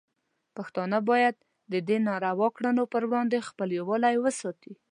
پښتانه باید د دې ناروا کړنو پر وړاندې خپل یووالی وساتي.